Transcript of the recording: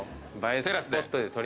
テラスで。